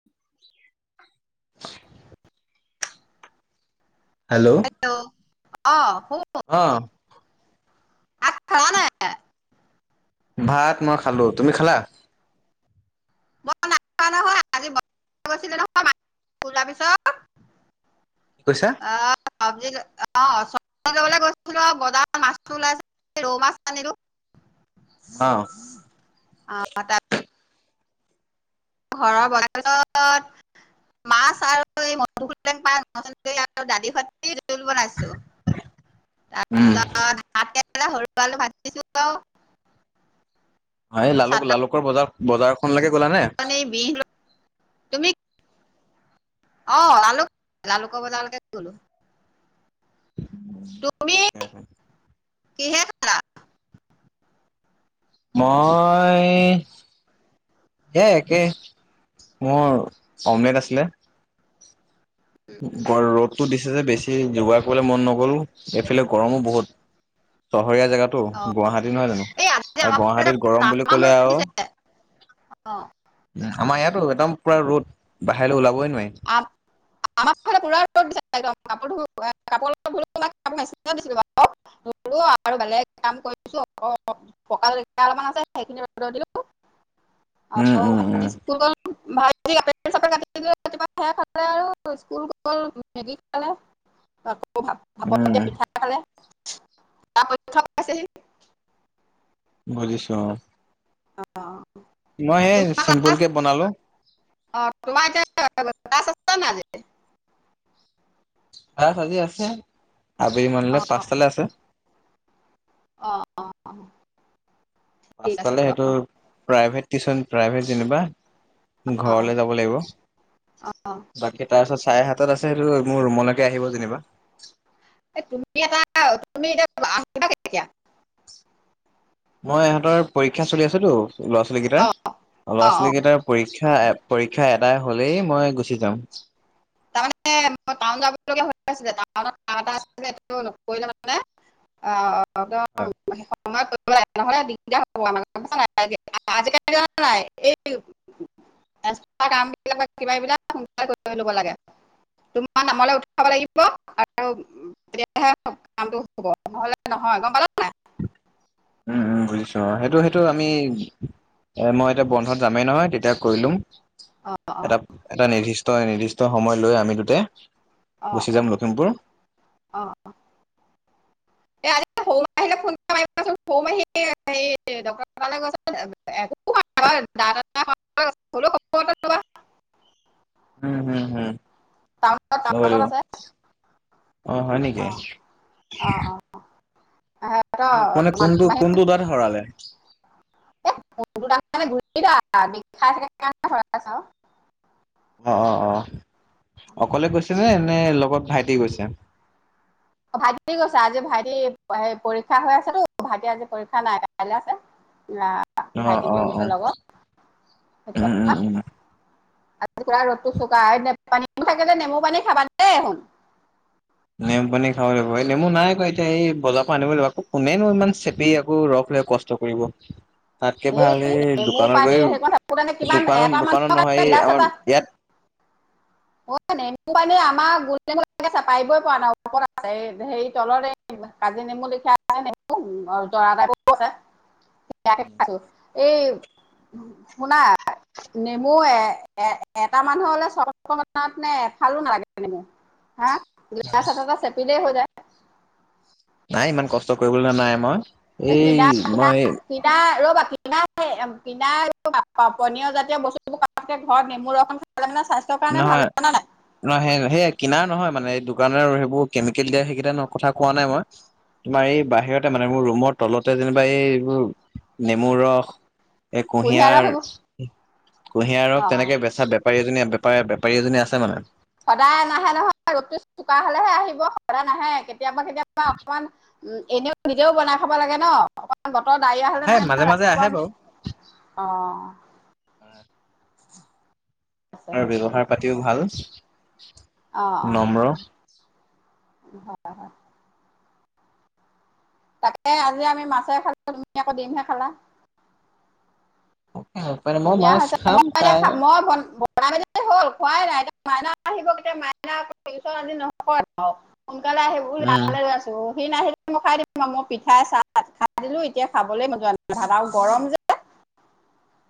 [unintelligible] Hello. Hello অ', [unintelligible] অ', [unintelligible] খালা নাই? ভাত মই খালো, তুমি খালা? [unintelligible] নহয় আজি [unintelligible] গৈছিলে [unintelligible] পিছত কি কৈছা? আ, চব্জি অ', [unintelligible] লবলৈ গৈছিলো আৰু বজাৰত মাছটো ওলাইছে। ৰৌ মাছ আনিলোঁ অ আ [unintelligible] ঘৰৰ [unintelligible] মাছ আৰু এই [unintelligible] [unintelligible] [unintelligible] ৰোল বনাইছো তাৰপিছত উম [unintelligible] [unintelligible] সৰু আলু ভাজি দিছোঁ আও। সেই লালুক লালুকৰ বজাৰ বজাৰখনলৈকে গ'লা নে? মানে বিহ তুমি অ', লালুক লালুকৰ বজালৈকে গলো। উম, তুমি ঠিকে আছে। কিহে? খালা মই এ একে, মোৰ অমলেট আছিলে। গৰ ৰ'দটো দিছে যে বেছি [unintelligible] যোগাৰ কৰিবলে মন নগল, এইফালে গৰমো বহুত। চহৰীয়া জেগাতো অ গুৱাহাটী নহয় জানো এই আজি আৰু আমাৰ ফালে গুৱাহাটীত গৰম বুলি তামাম কলে ৰ'দ আৰু দিছে অ', উম, আমাৰ ইয়াতো একদম পুৰা ৰ'দ বাহিৰলৈ ওলাবই নোৱাৰি। আ, আমাৰ ফালে পুৰা ৰ'দ দিছে একদম [unintelligible] আৰু বেলেগ কাম কৰিছো অ', [unintelligible] পকা [unintelligible] অলপমান আছে সেইখিনি ৰ'দত দিলো উম উম উম [unintelligible] দিলো ৰাতিপুৱা সেয়া খালে আৰু স্কুল গ'ল মেগী খালে [unintelligible] ভাপত উম দিয়া পিঠা খালে তাৰ পৰীক্ষা পাইছেহি বুজিছোঁ অ', অ' মই সেই চিম্পুল কে বনালো আ, তোমাৰ এতিয়া [unintelligible] [unintelligible] নাজে ক্লাছ আজি আছে আবেলি মানলৈ অ' পাঁচটালৈ আছে। অ', অ', ঠিক আছে পাঁচটালে সেইটো বাৰু প্ৰাইভেট টিউচন প্ৰাইভেট যেনিবা, অ' অ' ঘৰলে যাবলে লাগিব, অ' অ' বাকি তাৰপিছত চাৰে সাতটাত আছে সেইটো মোৰ ৰুমলৈকে আহিব যেনিবা এই তুমি এটা, তুমি এতিয়া [unintelligible] মই ইহঁতৰ পৰীক্ষা চলি আছোতো ল'ৰা ছোৱালী কেইটাৰ অ' ল'ৰা অ' ছোৱালী কেইটাৰ পৰীক্ষা পৰীক্ষা এটা হলেই মই গুচি যাম তাৰ মমানে হয় [unintelligible] অ [unintelligible] [unintelligible] সোনকালে কৰি ল'ব লাগে তোমাৰ নামলৈ উঠাব লাগিব আৰু তেতিয়াহে কামটো হব নহলে নহয় গম পালা নাই উম উম বুজিছো সেইটো সেইটো আমি এ মই এতিয়া বন্ধত যামেই নহয় তেতিয়া কৰিলম অঁ অঁ এটা এটা নিৰ্দিষ্ট নিৰ্দিষ্ট সময় লৈ আমি দুতে অঁ গুচি যাম অঁ লখিমপুৰ অঁ হ ন আহিল ফোন [unintelligible] [unintelligible] গৈছে হ'লেও খবৰ এটা ল'বা উম হম হুম টাউনত টাউনত আছে অ হয় নেকি অঁ অঁ অঁ সিহঁতৰ কোনে মাজু কোনটো মাহীহঁতে কোনটো দাত হৰালে [unintelligible] অ অ অ অকলে গৈছে নে নে লগত ভাইটি গৈছে অ ভাইটি কি কৈছে আজি ভাইটি পৰীক্ষা হৈ আছেতো ভাইটি আজি পৰীক্ষা নাই কাইলৈ আছে না অ', ভাইটিক লৈ অ', গৈছে অ', লগত সেইটো উম, কথা উম, উম। আ ৰ'দটো চোকা ন পানী থাকিলে নেমু পানী খাবা দেই সোণ নেমু পানী খাব লাগিব এই নেমু নাই কয় এতিয়া এই বজাৰৰ পৰা আনিব লাগিব আকৌ কোনেনো ইমান চেপি আকৌ ৰস লৈ কষ্ট ষ্ট কৰিব তাতকে সেই ভাল নেমু দোকানত পানী গৈ সেইকণ থাকোঁতে কিমান দোকানত এটা দোকানত মানুহৰ কাৰণে নহয় আমাৰ ইয়াত ম নেম পানী আমাৰ [unintelligible] পৰা নাই ওপৰত আছে হে তলতে কাজি নেমু [unintelligible] এই শুনা নেমু এ এ এটা মানুহলৈ চব অকমানতে এফালো নালাগে এনেকে হা গ্লাছ এটা এটা চেপিলেই হৈ যায় নাই ইমান কষ্ট কৰিবলৈ ন নাই মই কিনা এই কিনা মই কিনা ৰবা কিনা কিনা পনীয় জাতীয় বস্তুবোৰ ঘৰত নেমু কাৰণে ভাল নহয় জানা নাই নহয় সেই সেই কিনাৰ নহয় মানে এই দোকানে সেইবোৰ কেমিকেল দিয়া সেইকেইটা কথা কোৱা নাই মই তোমাৰ এই বাহিৰতে মানে মোৰ ৰুমৰ তলতে যেনিবা এইৰ নেমুৰ ৰস এই ৰস সেইবোৰ কুঁহিয়াৰ অ কুঁহিয়াৰক তেনেকে বেচা বেপাৰী এজনীয়ে বেপাৰ বেপাৰি এজনী আছে মানে সদায় নাহে নহয় ৰদটো চোকা হলেহে আহিব সদায় নাহে কেতিয়াবা কেতিয়াবা অকমান উম এনেও নিজেও বনাই খাব লাগে ন অকমান বতৰ ডৱৰিয়া হলে আহে নাহে মাজে নহয় মাজে আহে বাৰু ৰাতিপুৱা অ আছে আৰু ব্যৱহাৰ পাতিও ভাল অ অ নম্ৰ। অ, হয় হয়। তাকে আজি আমি মাছে খালো তুমি আকৌ দিমহে খালা। অ। ধুনীয়া হৈছে মই এতিয়া মই বন বনাই মেলি হ'ল খোৱাই নাই এয়া মাইনা আহিব কেতিয়া মাইনা আহি নকয়। সোনকালেই আহ বুলি উম তালে ৰৈ আছো। সি নাহিলে মই খাই দিম মই পিঠাই চাহ খাই দিলো এতিয়া খাবলৈ মন যোৱা নাই ভাত আৰু গৰম যে।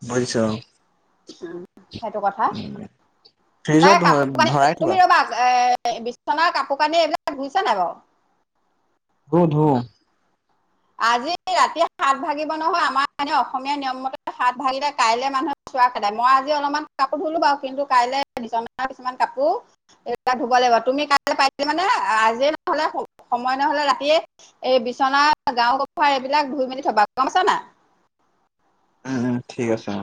বুজিছা। উম সেইটো কথা, নাই ফ্ৰিজত কাপোৰ কানি ভৰাই থোৱা তুমি ৰবা এ- বিচনাৰ কাপোৰ কানি এইবিলাক ধুইছে নাই বাৰু। ধো ধো। আজি ৰাতিয় সাত ভাগিব নহয় আমাৰ এনে অসমীয়া নিয়ম মতে সাত ভাগিলে কাইলে মানুহ- চোৱা খদাই মই আজি অলপমান কাপোৰ ধুলো বাৰু কিন্তু কাইলৈ কিছুমান কাপোৰ- এ ধুব লাগিব তুমি কাই পাৰে মানে আজি নহলে সময় নহলে ৰাতিয়ে- এই বিচনা গাও ক'ভাৰ এইবিলাক ধুই মেলি থবা গম পছা নাই? উম উম ঠিক আছে অ,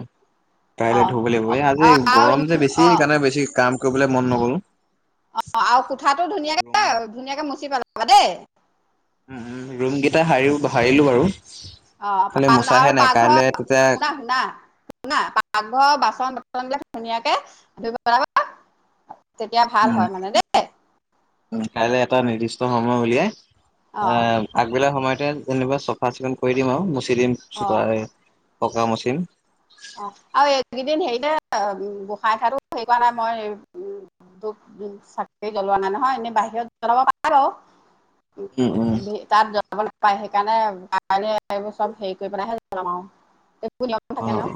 অ কাইলৈ ধুব লাগিব এই আজি গৰম আৰু যে বেছি অ কাৰণে বেছি কাম- কৰিবলে মন নগ'ল। অ আৰু কোঠাটো ধুনীয়াকে ৰুম ধুনীয়াকে মুচি পেলাবা দেই। উম ৰুম কেইটা হাৰি হাৰিলো বাৰু, অ খালি আৰু মোচাহে নাই কাইলৈ তেতিয়া- নাই প পাকঘৰ বাচন বৰ্তন বিলাক ধুনীয়াকে ধুই পেলাবা। তেতিয়া ভাল উম হয় মানে দেই। উম কাইলৈ এটা নিৰ্দিষ্ট সময় উলিয়াই, অ আহ- আগবেলা সময়তে যেনিবা চাফা চিকুণ কৰি দিম আৰু মুচি দিম অ চফাকে পকা মুচিম। অ আৰু এইকেইদিন হেৰিতে গোঁসাঁইঠাই হেৰি কৰা নাই মই - চাকৰি জ্বলোৱা নাই নহয় এনে বাহিৰত জ্বলাব পাৰে। উম উম তাত- জ্বলাব নাপায় সেইকাৰণে ক এইবোৰ চব হেৰি কৰি পেলাইহে জ্বলাম আৰু নিয়ম অ থাকে ন।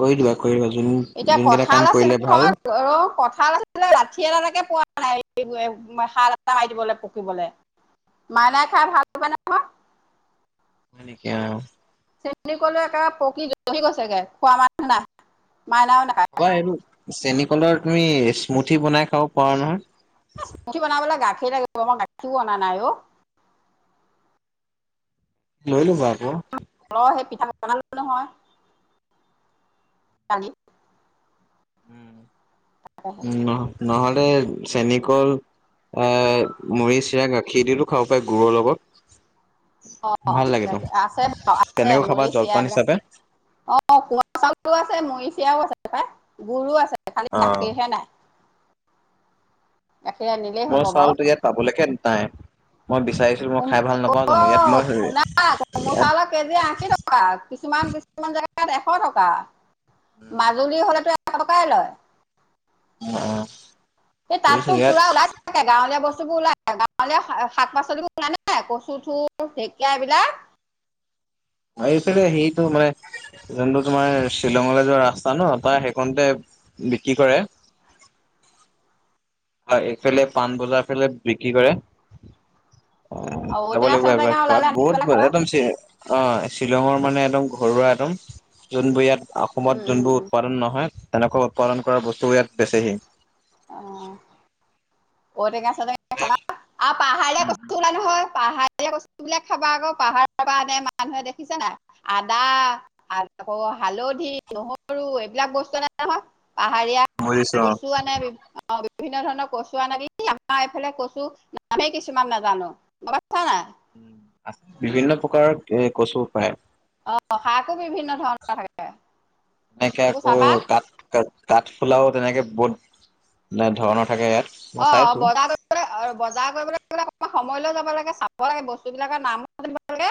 কৰি দিবা কৰি দিবা যোন- এতিয়া যোনকেইটা কাম কঁঠাল আছে ন কৰিলে ভাল ঘৰত অ কঁঠাল আছে। লাথি এডালেকে পোৱা নাই শাল এটা মাৰি দিবলৈ পকিবলে। মাইনাই খাই ভাল পায় নহয়। হয় নেকি আৰু। চেম কলো পকী জি গৈছেগে খোৱা মানুহ নাই মাইনাও নাই। হবা এইটো চেন কলৰ তুমি স্মুথি বনাই খাব পাৰা নহয়। স্মুথি বনাবলে গাখীৰ লাগিব মই গাখীৰও অনা নাই অ। লৈ লবা ক। অলপ সেই পিঠা বনালোঁ নহয়। কালি। উম নহলে চেনী কল। এ মুৰি চিৰা গাখীৰ দিলো খাব পাই গুৰৰ লগত। অঁ ভাল লাগেতো, গাখীৰ আছে বাৰু আছে তেনেকৈ খাবা মুড়ি চিৰা জলপান এইবিলাক হিচাপে। অঁ কুঁৱা চাউলো আছে মৰিচাও আছোয় গুড়ো আছে খালি অ গাখীৰহে নাই। গাখীৰ আনিলেই মোৰ হ'ব বাৰু চাউলতো ইয়াত পাবলৈকে নাই মই বিচাৰিছো- মই কোম- খাই ভাল নাপাওঁ জানো ইয়াত অ' মই, শুনা কোমল ইয়াত- চাউলৰ কেজি আশী টকা কিছুমান কিছুমান জেগাত এশ টকা, মাজুলী হ'লেতো। [unintelligible] লয় অ। এ বুজিছো তাততো ইয়াত পুৰা ওলাই তাকে গাঁৱলীয়া বস্তুবোৰ ওলায়, গাঁৱলীয়া শ শাক পাচলিবোৰ ওলাই নাই কচু থুৰ ঢেঁকীয়া এইবিলাক এইফেলে সেইটো মানে যোনটো তোমাৰ শ্বিলঙলৈ যোৱা ৰাস্তা ন তাৰ সেইখনতে বিক্ৰী কৰে। হয় এইফালে পাণ বজাৰ ফালে বিক্ৰী কৰে। অ ঔটেঙা চৌটেঙা ওলালে [unintelligible] আনি বহুত পেলাই খাবা একদম অ শ্বিলঙৰ মানে একদম ঘৰুৱা একদম, যোনবোৰ ইয়াত উম অসমত উম যোনবোৰ উম উৎপাদন নহয়, তেনেকুৱা উৎপাদন কৰা বস্তু ইয়াত বেছিহি। অ ঔটেঙা-সৌটেঙা খাবা আৰু পাহাৰীয়া কচু ওলায় নহয়। পাহাৰীয়া বস্তু বিলাক খাবা আকৌ, পাহাৰৰ পৰা আনে মানুহে দেখিছে নাই? আদা আকৌ হালধী, নহৰু, এইবিলাক বস্তু নাই নহয়। পাহাৰীয়া বুজিছো অ', কচু আনে বি অ বিভিন্ন ধৰণৰ কচু আন, আমাৰ এইফালে কচু নামেই কিছুমান নাজানো। [unintelligible] উম। বিভিন্ন প্ৰকাৰৰ এ কচু পায়। অ শাকো বিভিন্ন ধৰণৰ থাকে। এনেকে এইবোৰ আকৌ চাবা কাঠ-কা-কাঠফুলাও তেনেকে বহুত এ ধৰণৰ থাকে ইয়াত মই অ চাইছো বজাৰ বজাৰ কৰিবলৈ অকমান সময়লৈ যাব লাগে, চাব লাগে বস্তু বিলাকৰ নামো জানিব লাগে,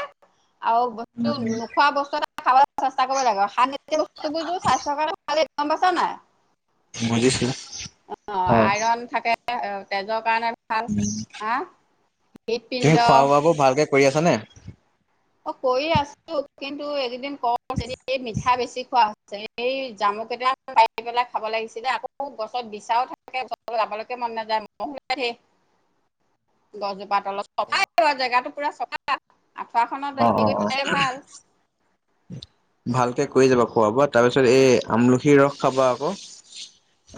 আৰু বস্তু নোখোৱা বস্তু এটা খাব চেষ্টা কৰিব লাগে। সাৰ নিদিয়া বস্তুবোৰ স্বাস্থ্য কাৰনে ভালে গম পাইচা নে নাই? বুজিছো। অ হয়। আইৰন থাকে অ তেজৰ কাৰণে ভাল তুমি হা হৃদপিণ্ড খোৱা বোৱাবোৰ ভালকে কৰি আছানে? অ কৰি আছো কিন্তু এইকেইদিন কৰ য এই মিঠা বেছি খোৱা এই জামু কেইটামান পাৰি পেলাই খাব লাগিছিলে আকৌ গছত বিচাও থাকে [unintelligible] [unintelligible] গছজোপাত অলপ [unintelligible] জেগাটো পুৰা চফা। আঁঠুৱাখনত হেৰি কৰি অ-অ-অ। পেলাই ভাল ভালকে কৰি যাবা খোৱা বোৱা তাৰ পিছত এই আমলখিৰ ৰস খাবা আকৌ।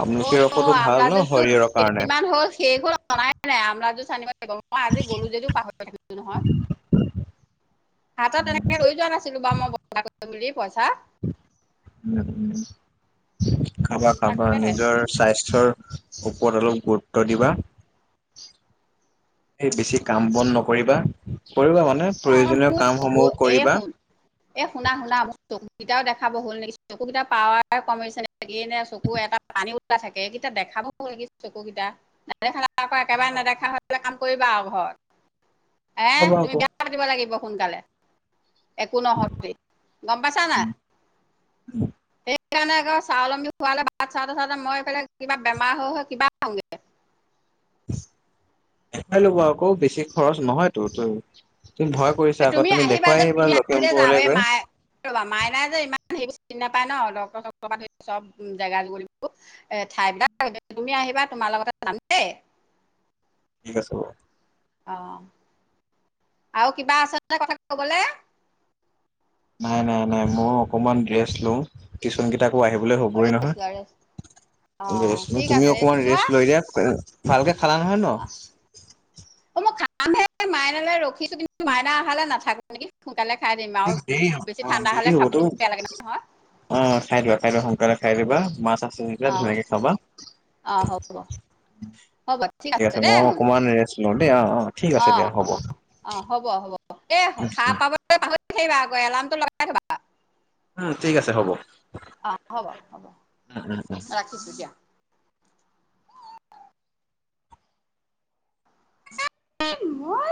আমলখি অ' ৰসোতো আমলা ভাল ন জুচটো শৰীৰৰ কাৰণে। কেইদিনমান হ'ল শেষ হ'ল অনাই নাই আমলা জুচ [unintelligible] মই আজি গ'লো যদিও পাহৰি থাকিলো নহয়। হাতত এনেকে লৈ যোৱা নাছিলো বা মই [unintelligible] পইচা উম উম খাবা খাবা তাকেহে নিজৰ স্বাস্থ্যৰ ওপৰত অলপ গুৰুত্ব দিবা। সেই বেছি কাম বন নকৰিবা, কৰিবা মানে প্ৰয়োজনীয় কামসমূহ কৰিবা এ শুনা শুনা চকুকেইটাও দেখাব হ'ল নেকি চকুকেইটাৰ পাৱাৰ কমিছে ন লাগি নে চকু এটা পানী ওলাই থাকে এইকেইটা দেখাব লাগি চকু কেইটা [unintelligible] একেবাৰে ৰ'বা আকৌ নেদেখা হৈ পেলাই কাম কৰিবা আৰু ঘৰত এ ৰ'বা তুমি আকৌ দিব লাগিব সোনকালে। একো নহতে গম পাইছা না নাই? সেইকাৰণে আকৌ স্বাৱলম্বী হোৱালে বাত চাওঁতে চাওঁতে মই এইফালে কিবা বেমাৰ হৈ হৈ কিবা- হওঁগে। দেখাই লব আকৌ বেছি খৰচ নহয়তো ত ভয়- এই কৰিছা আকৌ তুমি দেখুৱাই যে আহিবা তুমি আহিলে যাম লখিমপুৰলৈ এই গৈ। মায়ে ৰবা মাইনাই যে ইমান সেইবোৰ চিনি নাপায় ন ডক্টৰ চক্তৰ চব জেগা জগ, এ ঠাইবিলাক, তুমি আহিবা তোমাৰ লগতে যাম দেই। ঠিক আছে বাৰু। অ। আৰু কিবা আছে নে কথা কবলে? নাই নাই নাই মই অকমান ড্ৰেছ লওঁ টিচন কেইটাকো আহিবলৈ হ'বই ৰেষ্ট নহয়। লোৱা ৰেষ্ট অঁ ৰেষ্ট লওঁ, ঠিক তুমি আছে অকমান লোৱা ৰেষ্ট লৈ দিয়া। ভালকে খালা নহয় ন? অ মই খামহে মাইনালৈ ৰখিছো কিন্তু মাইনা অহালে নাথাকো। আনকি সোনকালে খাই দিম আৰু দেৰি হ'ব বেছি অ ঠাণ্ডা দেৰি হ'লে হ'বতো। খাবলৈও বেয়া লাগে নহয়। অ খাই দিবা খাই দিব সোনকালে খাই দিবা, মাছ- [unintelligible] অঁ ধুনীয়াকে খাবা। অঁ হ'ব ঠিক আছে মই অকমান ৰেষ্ট লও দেই। অ অ ঠিক অ আছে অ দিয়া অ হ'ব। অ হ'ব হ'ব এ সাৰ উম পাবলৈ পাহৰি নাথাকিবা আকৌ এলামটো লগাই থবা। উম ঠিক আছে হ'ব। অঁ হ'ব হ'ব উম উম। ৰাখিছোঁ দিয়া। মই